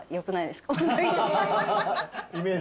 イメージ？